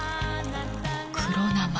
黒生！